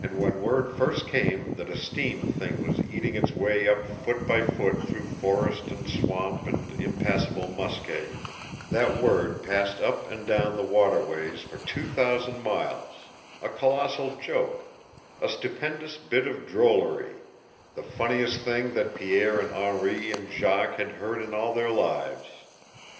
And when word first came that a steam thing was eating its way up foot by foot through forest and swamp and impassable muskeg, that word passed up and down the water ways for two thousand miles, a colossal joke, a stupendous bit of drollery, the funniest thing that Pierre and Henri and Jacques had heard in all their lives.